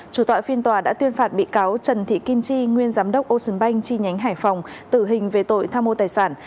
chủ tọa phiên tòa đã tuyên phạt bị cáo trần thị kim chi nguyên giám đốc ocean bank chi nhánh hải phòng tử hình về tội tham mô tài sản